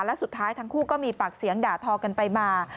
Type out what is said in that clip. และสุดท้ายทั้งคู่ก็มีปากเสียงด่าทอกันไปมา